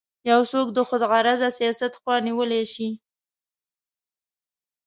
یو څوک د خودغرضه سیاست خوا نیولی شي.